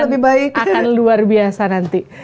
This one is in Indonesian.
lebih baik akan luar biasa nanti